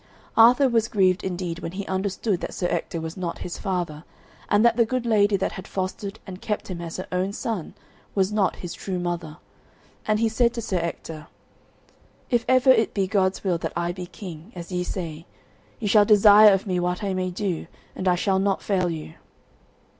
Arthur was grieved indeed when he understood that Sir Ector was not his father, and that the good lady that had fostered and kept him as her own son was not his true mother, and he said to Sir Ector, "If ever it be God's will that I be king, as ye say, ye shall desire of me what I may do, and I shall not fail you."